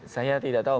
saya tidak tahu